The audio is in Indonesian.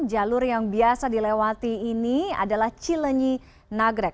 jalur yang biasa dilewati ini adalah cilenyi nagrek